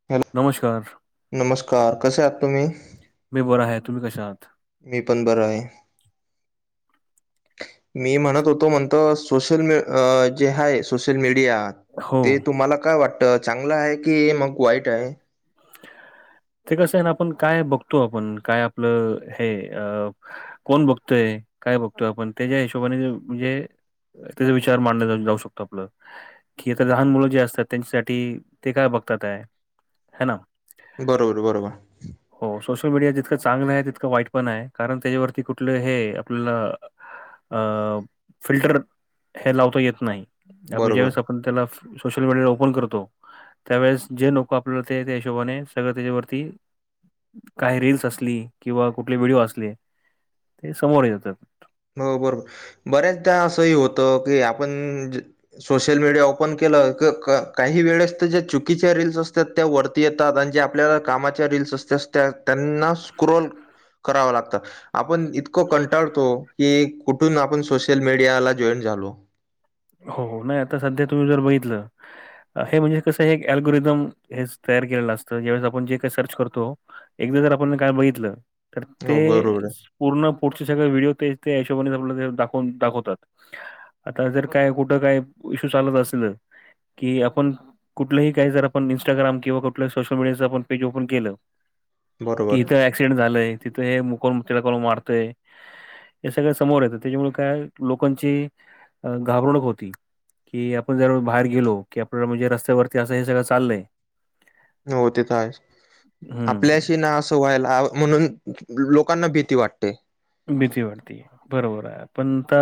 हॅ नमस्कार नमस्कार, कसे आहात तुम्ही? मी बरं आहे, तुम्ही कश आहात? मी पण बरं आहे. मी म्हणत होतो म्हणतोस सोशल म जे आहे सोशल मीडिया हो. ते तुम्हाला काय वाट त चांगलं आहे की मग वाईट आहे? ते कस आहे ना आपण काय बघतो आपण काय आपलं हे अ कोण बघतोय काय बघतोय आपण त्याच्या हिशोबाने म्हणजे त्याचा विचार मांडल जाऊ शकतो आपलं कि आता लहान मुलं जे असतात त्यांच्यासाठी ते काय बघतात आहे ह ना बरोबर बरोबर हो सोशल मीडिया जितकं चांगलं आहे तितकं वाईट पण आहे कारण त्याच्यावरती कुठलं हे आपल्याला अ फिल्टर हे लावता येत नाही आपण बरोबर ज्यावेेळेस आप त्याला सोशल मीडिया ओपन करतो त्यावेळेस जे नको आपल्याला ते हिशोबाने सगळं त्याच्यावरती काही रीलल्स असली किंवा कुठले व्हिडिओ असले ते समोर येतात. हो बरोर बऱ्याचदा असंही होतं की आपण सोशल मीडिया ओपन केलं काही वेळेस तर ज्या चुकीच्या रीलस असतात त्या वरती येतात आणि जे आपल्या कामाच्या रीलस असत त्यांना स्क्रोल करावं लागतं आपण इतकं कंटाळतो कि कुठून आपण सोशल मीडिया ला जॉईन झालो. हो नाही आता सध्या तुम्ही जर बघितलं हे बग हे कसय एक अल्गोरिदम हेच तयार केलेलं असतं ज्यावेळेस आपण जे काही सर्च करतो एकदा जर आपण काय बागितल तर ते हो बरोबर आहे पूर्ण पुढचे सगळे व्हिडिओ त्या हिशोबाने जमन ते दाखवून दाखवतात आता जर काय कुठं काय इशू चालत असल की आपण कुठलंही काही जर आपण इन्स्टाग्राम किंवा कुठलं सोशल मिडीयाचं आपन पेज ओपन केल कि बरोबर इथं ऍक्सिडेंट झालय तिथं हे मुकून मु तिला करून मारतंय. हे सगळं समोर येतं त्याच्यामुळे काय लोकांची घाबरणूक होती की आपण जर बाहेर गेलो की आपल्याला म्हणजे रस्त्यावरती असं हे जे काय सगळं चाललय हो ते तर हाय हं, आपल्याशी ना अश व्हायला म्हणून लोकांना भीती वाटते. भीती वाटती बरोबर आहे आपण आता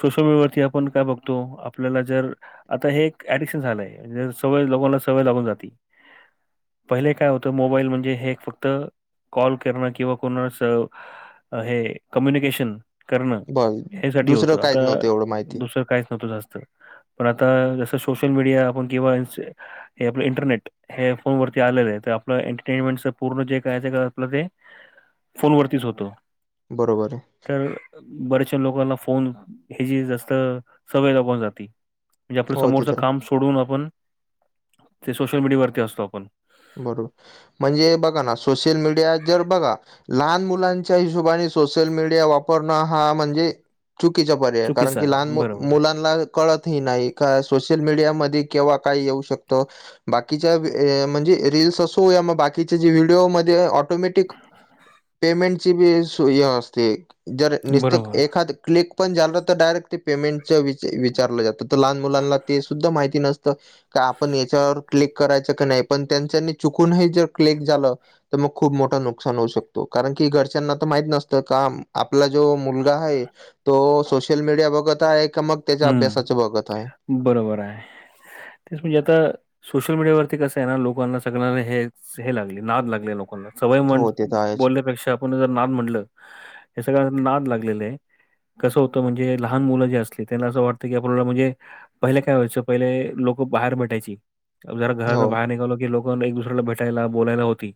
सोशल यावरती आपण काय बघतो आपल्याला जर आता हे एक ऍडिक्शन झालंय म्हणजे सवय लोकांना सवय लागून जाती पहिले काय होतं मोबाईल म्हणजे हे एक फक्त कॉल करण किंवा कुणाचं हे कम्युनिकेशन करणं बस हेसाठी दुसरं होतं काहीच आता नव्हतं एवढं माहिती दुसरं काहीच नव्हतं जास्त. पण आता जसं सोशल मीडिया आपण किंवा इ ज हे आपलं इंटरनेट हे फोन वरती आलेलं आहे तर आपलं एंटरटेनमेंटच पूर्ण जे कायच आपलं ते फोन वरतीच होतं. बरोबरय. तर बऱ्याचशा लोकांना फोन ह्याची जास्त सवय लागून जाती. म्हणजे आपल्या हो ते समोरचं तर आहे काम सोडून आपण ते सोशल मीडियावरती असतो आपण. बरोबर, म्हणजे बघा ना सोशल मीडिया जर बघा लहान मुलांच्या हिशोबाने सोशल मीडिया वापरणं हा म्हणजे चुकीचा पर्याय कारण चुकीचं की आहे. लहान मु बरोबर आहे. मुलांना कळत हि नाही का सोशल मीडियामध्ये केव्हा काय येऊ शकतं बाकीच्या वेए म्हणजे रील्स असो या मग बाकीचे जे व्हिडिओमध्ये ऑटोमॅटिक पेमेंट बी सोय असते जर निस्तं बरोबर. एखादी क्लिक पण झालं तर डायरेक्ट ते पेमेंटच विच विचारलं जातं. त लहाण मुलांना ते सुद्धा माहिती नसतं का आपण याच्यावर क्लिक करायच का नाही पण जरनी चुकूनही ह्याज्यावर क्लिक झालं तर मग खूप मोठं नुकसान होऊ शकतो कारण की घरच्यांना तर माहित नसतं काम आपला जो मुलगा आहे तो सोशल मीडिया बघत आहे का मग त्याच्या हं. अभ्यासाचं बघत आहे बरोबर आहे तेच म्हणजे आता सोशल मीडियावरती कसं आहे ना लोकांना सगळ्यांना हे हे लागले नाद लागले लोकांना सवय म्हण हो ते तर आहेच बोललण्यापेक्षा आपण जर नाद म्हणल हे सगळ्या नाद लागलेलय कसं होतं म्हणजे लहान मुलं जे असली त्यांना असं वाटतं की आपल्याला म्हणजे पहिले काय व्हायचं पहिले लोकं बाहेर भेटायची जरा हो घरातनं बाहेर निघालो की लोक कं एक दुसऱ्याला भेटायला बोलायला होती.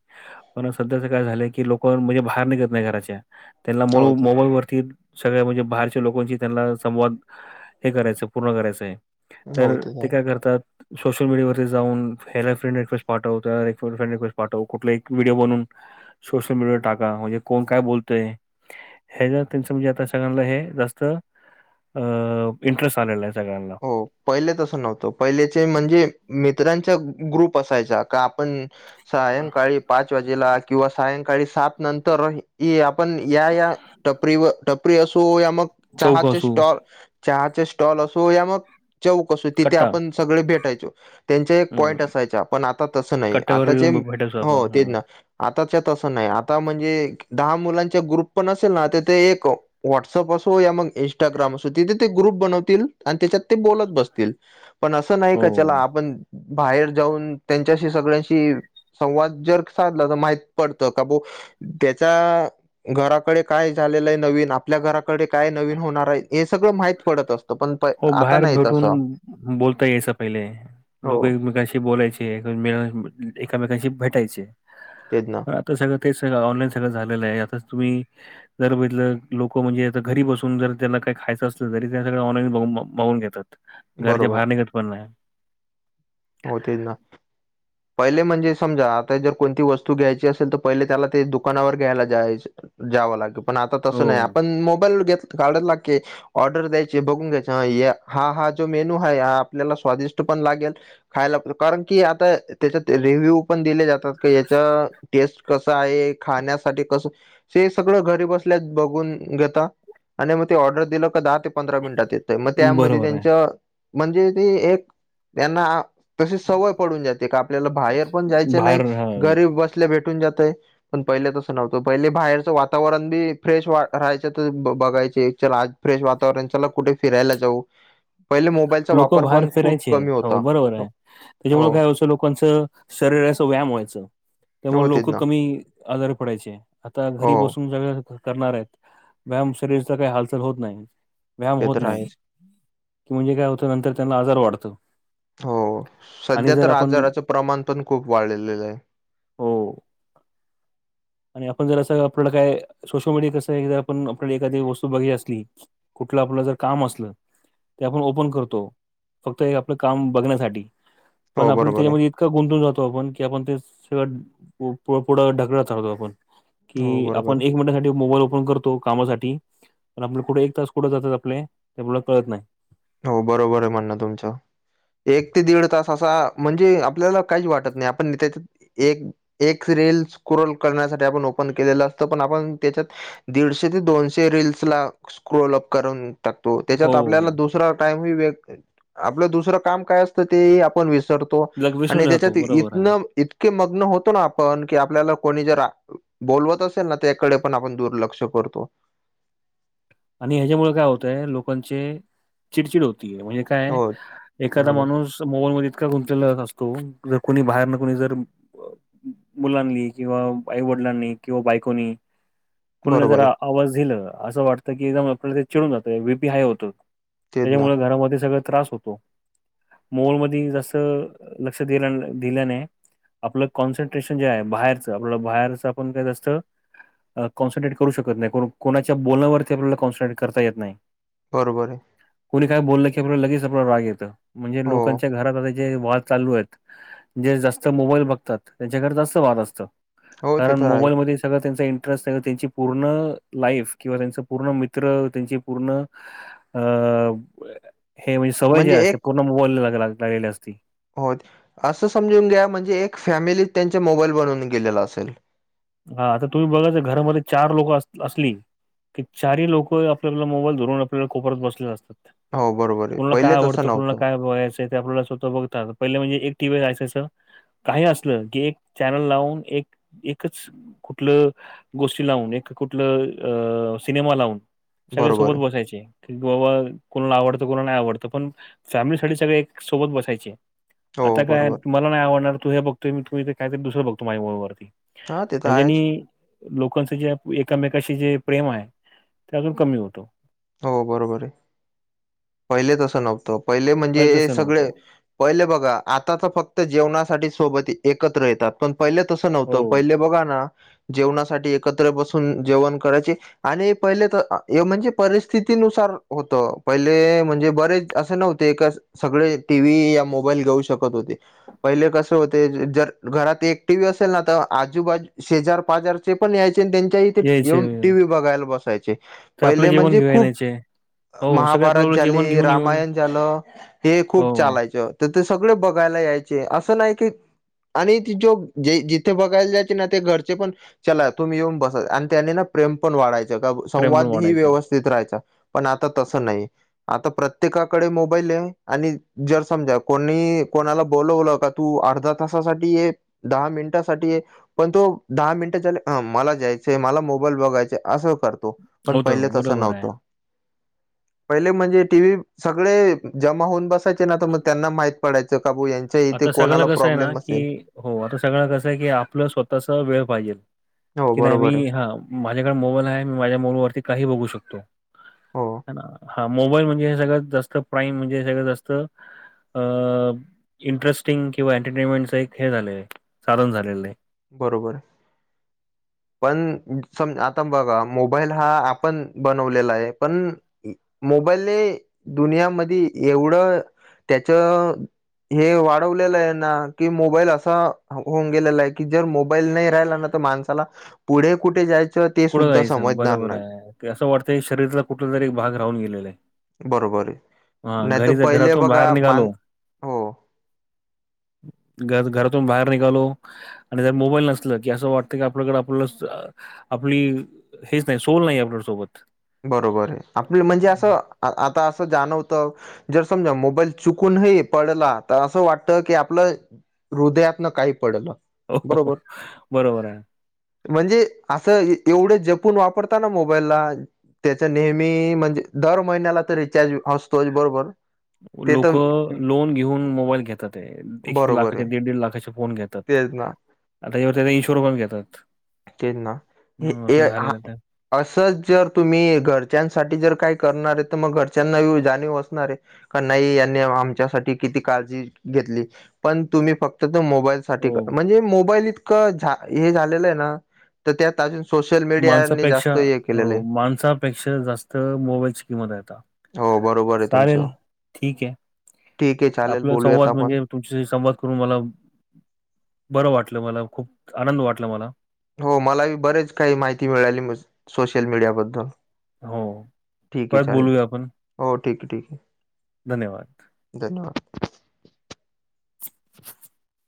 पण सध्याचं काय झालं की लोकं म्हणजे बाहेर निघत नाही घराच्या त्यांना मोळ हो ते मोबाईल वरती सगळ्या म्हणजे बाहेरच्या लोकांशी त्यांना संवाद हे करायचं पूर्ण करायचंय तर ते काय करतात सोशल मीडियावरती जाऊन हेला फ्रेंड रिक्वेस्ट पाठव, त्याला फ्रेंड रिक्वेस्ट पाठव, कुठलं बीएक व्हडिओ बनवून सोशल मीडिया वर टाका म्हणजे कोण काय बोलतय हे जर त्यांचं म्हणजे आता सगळ्यांना हे जास्तं अ इंटरेस्ट आलेलाय सगळ्यांना हो पहिले तसं न्हवतं पहिल्याचे म्हणजे मित्रांचा ग्रुप असायचा का आपण सायंकाळी पाच वाजेला किंवा सायंकाळी सात नंतर ये आपण या या, टपरी व टपरी असो या मग चौक चहाचे असू, स्टॉल चहाचे स्टॉल असो, या मग चौक असो, तिथे कट्टा आपण सगळे भेटायचो. त्यांच्या एक हं. पॉईंट असायच्या. पण आता तसं नाही कट्ट्यावर आताचे, येऊन ब भेटायचो आपण. हो तेच हं. ना. आता च्या तसं नाही. आता म्हणजे दहा मुलांच्या ग्रुप पण असेल ना त ते एक व्हॉटसअप असो, या मग इंस्टाग्राम असो, तिथे ते ग्रुप बनवतील आणि त्याच्यात ते बोलत बसतील, पण असं नाही का च्यला हो. आपण बाहेर जाऊन त्यांच्याशी सगळ्यांशी संवाद ज्यर साधला तर माहित पडत का बो त्याच्या घराकडे काय झालेलं आहे नवीन, आपल्या घराकडे काय नवीन होणार आहे? हे सगळं माहीत पडत असतं, पण प हो आता बाहेर नाही भेटून तसं बोलता यायच पहिले. हो लोक एकमेकांशी बोलायचे. [unintelligible] एकामेकांशी बोलायचे. तेच ना. पण आता सगळं ते सग ऑनलाईन सगळं झालेलं आहे, यातच तुम्ही जर बघितलं लोक म्हणजे आता घरी बसून जर त्याला काय खायचं अस ल तरी त्या सगळ ऑनलाईन बघू बघून घेतात. घराच्या बरोबर बाहेर निघत पण नाही. हो तेच ना. पहिले म्हणजे समजा आता ज्यर कोणती वस्तू घ्यायची असेल तर पहिले त्याला ते दुकानावर घ्यायला ज्याय ज्यावं लागत, पण आता तसं हो, आपण मोबाईल घेत काढला की ऑर्डर द्यायची बघून घ्यायच ह ये, हा हा, ज्यो मेनू आहे हा आपल्याला स्वादिष्ट पण लागेल खायला पण, कारण की आता तेच्यात रिव्ह्यू पण दिले जातात की याच्य टेस्ट कस आहे? खाण्यासाठी कस? हे सगळं घरी बसल्याच बघून घेत आणि मग ते ऑर्डर दिलं का दहा ते पंधरा मिनिटात येत ते मग त्या मधे बरोबर आहे. त्यांच, म्हणजे ते एक त्यांना तशी सवय पडून ज्याते का आपल्याला बाहेर पण ज्यायच नाही, बाहेर हां, घरी बसल्या भेटून जातय पण पहिले तसं नव्हतं पहिले बाहेरचं वातावरण बी फ्रेश वा राहायचं तर बघायचे [unintelligible] आज फ्रेश वातावरण आहे, च्यला कुठे फिरायला जाऊ. पहिले मोबाईलचा लोकं वापर बाहेर पण खूप कमी होता. हो त्याच्यामुळ काय व्हायचं लोकांचं शरीराच व्यायाम व्हायचं. त्यामुळे हो तेच लोकं ना कमी आजारी पडायचे. आता हो घरी बसून सगळ करणार आहेत. [unintelligible] शरीरचा काही हालचाल होत नाही व्यायाम ते होत तर नाही. आहेच की म्हणजे काय होतं नंतर त्यांना आजार वाढतो हो, आणि सध्या जर तर आपण आजाराच प्रमाण पण खूप वाढलेलं आहे. हो. आणि आपण जर असं आपल्याला काय सोशल मीडिया कसं आहे, एकदा आपण आपल्याला एखादी वस्तू बघि असली कुठलं आपलं जर काम असलं ते आपण ओपन करतो फक्त एक आपलं काम बघण्यासाठी. पण हो आपण बरोबर आहे त्याच्यामध्ये इतक गुंतून जातो आपण की आपण ते सगळं पू पुढं ढकळत राहतो. हो की बरोबर आपण आहे एक मिनिटा साठी मोबाईल ओपन कर तो कामासाठी, पण आपला पुढे एक तास कुठं जातात आपले? हे आपल्याला कळत नाही. हो बरोबर आहे म्हणणं तुमचं. एक ते दीड तास असा म्हणजे आपल्याला काहीच्य वाटत नाही आपण त्याच्या एक एक, रिल स्क्रोल करण्यासाठी आपण ओपन केलेलं असत पण आपण त्याच्यात दीडशे ते दोनशे रिल्स ला स्क्रोल अप करून टाकतो, त्याच्यात हो आपल्याला हो. दुस रा टाईम [unintelligible] आपलं दुसरं काम काय असतं ते ही आपण विसर तो लग विसरून आणि जातो त्याच्यात इ बरोबर आहे इतन, इतके मग्न होतो ना आपण, की आपल्याला कोणी जर आ बोलवत असेल ना, त्याकडे पण आपण दुर्लक्ष करतो. आणि ह्याच्यामुळ काय होतय लोकांचे चिडचिड होतीय म्हणजे काये हो एखादा बरोबर माणूस मोबाईल मध्ये इत का गुंतंलेला असतो. जर कोणी बाहेरन कोणी जर मुलांनी किंवा आईवडिलांनी किंवा बायकोनी. कोणीला जर बरोबर आहे आवाज दिल. असं वाटतं की, एकदम आपल्याला ते चिडुन जातं. बीपी हाय होतो. तेच ना त्याच्यामुळे, घरामध्ये सगळ त्रास होतो. मोबाईल मध्ये जस् लक्ष दिल, दिल्याने. आपलं कॉन्सन्ट्रेशन जे आहे बाहेरचं, आपल् बाहेरचं आपण काय जास्त कॉन्सन्ट्रेट करू शकत नाही. कोणाच्या बोलण्यावरती आपल्याला कॉन्सन्ट्रेट करता येत नाही. बरोबरे. कोणी काय बोललं की, आपल्या लगेच आपला राग येतं. म्हणजे हो लोकांच्या घरात आता जे वाद चालूयेत. जे जास्त मोबाईल बघतात, त्यांच्याकडे जास्त वाद असत. हो ते कारण तर आहे मोबाईलमध्ये सगळं त्यांचा इंटरेस् आहे, त्यांची पूर्ण लाईफ किंवा त्यांच पूर्ण मित्र त्यांची पूर्ण अ हे म्हणजे सवय जे असते, पूर्ण मोबाईल लागलेली असते. हो, असं समजून घ्या म्हणजे एक फॅमिली त्यांच्या मोबाईल बनुन गेलेला असेल. हा, आता तुम्ही बघायच घरामध्ये चार लोक अस असली? की चारही लोक आपल्याला मोबाईल धरून, आपल्याला कोपऱ्यात बसलेले असतात. हो बरोबर आहे. कुणाला पहिले काय तसं आवडत? कुणाला नव्हतं. काय हवयं? आपल्याला स्वतः बघतात. पहिलं म्हणजे एक टी व्ही असायचं. काही असलं की एक चॅनल लावून एक एकच कुठलं गोष्टी लावून, एक कुठल अ सिनेमा लावून. सगळे बरोबर सोबत आहे. बसायचे. क बाबा कोणाला आवडतं, कोणाला नाही आवडतं. पण फॅमिलीसाठी सगळे एक सोबत बसायचे. आता हो काय, बरोबर. तुमला नाय आवडणार. तू हे बघतोय. मी तू इथे काहीतरी दुसरं बघतो. माझ्या मोबाइलवरती. हां, ते तर हेजानी आहेच. लोकांच जे एकमेकाशी जे प्रेम आहे. ते अजून कमी होत. हो बरोबरे. पहिले तसं नव्हतं, पहिले म्हणजे तसं सगळे नव्हतं पहिले बघा, आता तर फक्त जेवणासाठी सोबत एकत्र येतात. पण पहिले तसं हो नव्हतं. पहिले बघा ना, जेवणासाठी एकत्र बसून जेवण करायचे. आणि पहिले त म्हणजे परिस्थितीनुसार होत. पहिले म्हणजे बरेच असं नव्हते का सगळे टी व्ही या मोबाईल घेऊ शकत होते. पहिले कसं होते. जर घरात एक टी व्ही असेल ना, तर आजूबाजू शेजार पाजार ते पण यायचे त्यांच्या इथे यायचे येवून टी व्ही बघायला बसायचे. पहिले म्हण घण्याचे [inaudible] महाभारत झाले, रामायण झालं. हे हो खूप चालायचं. त ते सगळे बघायला यायचे. असं नाही की, आणि तीजो जे जिथे बघायला जायचे ना, ते घरचे पण चला तुम्ही येऊन बसा. आणि त्यांनी ना प्रेम पण वाढायचं. का प्रेम पण संवाद ही वाढायचं व्यवस्था तीत राहायचा. पण आता तसं नाही. आता प्रत्येकाकडे मोबाईले. आणि जर समजा कोणी, कोणाला बोलवलं का? तू अर्धा तासासाठी ये. दहा मिनिटासाठी ये. पण तो दहा मिनिट झाले. अ मला जायचे, मला मोबाईल बघायचा. असं कर तो. पण होतं, पहिलेच तसं बरोबर आहे. नव्हतं. पहिले म्हणजे टी व्ही सगळे जमा होऊन बसायचे. ना त मग त्यांना माहित पडायचं का बू यांन आता सगळ कसं आहे ना, की हो आता सगळं कसं आहे की स्वतःच वेळ पाहिजेल. हो की नाही, बरोबर आहे. मी हा माझ्याकडे मोबाईल आहे. मी माझ्या मोबाईलवररती काही बघू शकतो. हो ह, हा मोबाईल म्हणजे हे सगळंत जास्त प्राईम, म्हणजे हे जास्त. अ इंटरेस्टिंग किंवा एंटरटेनमेंटच एक हे झाले साधन झालेलं आहे. बरोबरे. पण सम आता बघा, मोबाईल हा आपण बनवलेला आहे. पण, मोबाईले दुनियामध्ये एवढं त्याच हे वाढवलेलंय ना की, मोबाईल असा होऊन गेलेलाय की, जर मोबाईल नाही राहिलान त त माणसाला पुढे कुठे जायचं ते सुद्धा समजणार नाही. अस वाटतंय शरीरतला कुठला तरी एक भाग राहून गेलेलाय. बरोबर आहे. हा नाही तर घरीज पहिले घरातून बाहेर बघा मान निघालो, हो घर घरतु बाहेर निकालो. आणि जर मोबाईल नसल की, असं वाटतं की आपल्याकडे आपल्याला आपली हेच नाही. सोल नाही आपल्यासोबत. बरोबरे. आपलं म्हणजे असं आता असं जाणवत जर समजा मोबाईल चुकूनही पडला. तर असं वाटत की आपलं हृदयातन काही पडलं. बरोबर बरोबर आहे. म्हणजे असं एवढे जपून वापरता ना मोबाईलला. त्याच नेहमी, म्हणजे दर महिन्याला तर रिचार्ज असतोच बरोबर. ते लोक तर लोन घेऊन मोबाईल घेताते. एक एक बरोबर लाखाचे, आहे दीड दीड लाखाचे फोन घेतात. तेच ना आता एव त्याचा इनशुूर पण घेतात. अं, हे असं हा झालेलं आहे ते. असच जर तुम्ही घरच्यांसाठी जर काय करणारे तर मग घरच्यांना जाणीव असणारेच. क नाही यांनी आमच्यासाठी किती काळजी घेतली. पण तुम्ही फक्त त तुम्ही मोबाईल साठी, हो म्हणजे मोबाईल इतकं झा हे झालेलं आहे ना, त त्यात अजून सोशल मीडियानी जास्त हे केलेलेय. पेक्षा जास्त मोबाईलची किंमते आता. हो बरोबर आहे चालेल. तुमचं. ठीके. ठीक आहे चालेल आपला बोलूयात संवाद आपण म्हणजे तुमच्याशी संवाद करून मला, बरं वाटलं मला. खूप आनंद वाटला मला. हो मलाही बरेच काही माहिती मिळाली. सोशल मीडियाबद्दल. हो ठीके परत चालेल. बोलूया आपण हो ठीके ठीके. धन्यवाद धन्यवाद. [inaudible]